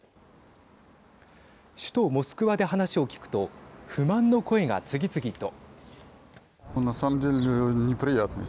首都モスクワで話を聞くと不満の声が次々と。